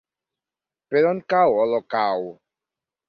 Per on cau Olocau?